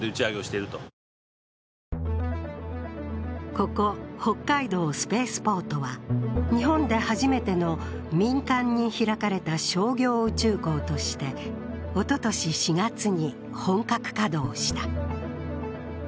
ここ北海道スペースポートは日本で初めての民間に開かれた商業宇宙港としておととし４月に本格稼働した。